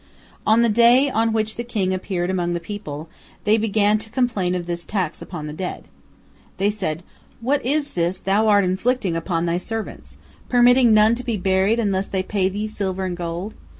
On the day on which the king appeared among the people, they began to complain of this tax upon the dead. They said: "What is this thou art inflicting upon thy servants—permitting none to be buried unless they pay thee silver and gold!